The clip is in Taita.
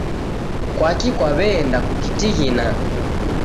Kwaki kwaweenda kukitighina